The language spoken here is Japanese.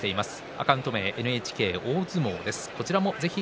アカウント名はＮＨＫ大相撲です。